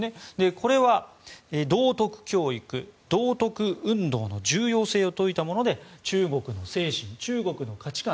これは道徳教育、道徳運動の重要性を説いたもので中国の精神、中国の価値観